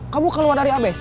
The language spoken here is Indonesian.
kamu keluar dari abc